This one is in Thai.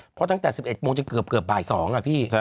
เพราะตั้งแต่๑๑โมงจนเกือบบ่าย๒อะพี่